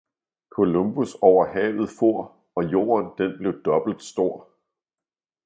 Columbus over havet foer, og jorden den blev dobbelt stor